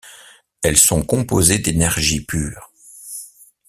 Elles sont composées d'énergie pure.